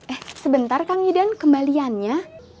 eh sebentar kang idan kembaliannya